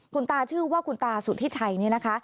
คุณตาชื่อว่าคุณตาสุธิชัยนี่นะคะ